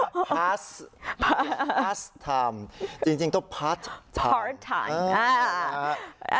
พาร์ทพาร์ทจริงจริงต้องพาร์ทพาร์ทไทม์